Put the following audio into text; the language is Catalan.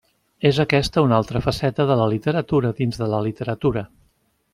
És aquesta una altra faceta de la literatura dins de la literatura.